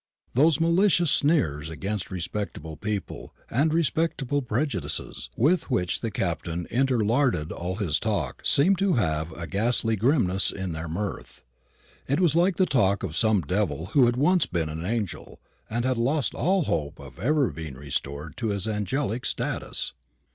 Those malicious sneers against respectable people and respectable prejudices, with which the Captain interlarded all his talk, seemed to have a ghastly grimness in their mirth. It was like the talk of some devil who had once been an angel, and had lost all hope of ever being restored to his angelic status.